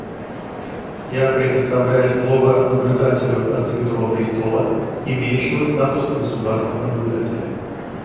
Я предоставляю слово наблюдателю от Святого Престола, имеющего статус государства-наблюдателя.